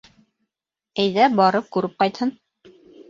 Әйҙә, барып, күреп ҡайтһын.